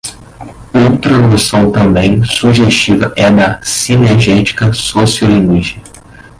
Outra noção também sugestiva é a da sinergética sociolinguística.